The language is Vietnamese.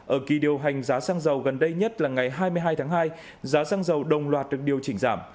ở kỳ điều hành giá xăng dầu gần đây nhất là ngày hai mươi hai tháng hai giá xăng dầu đồng loạt được điều chỉnh giảm